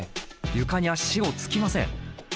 床に足をつきません。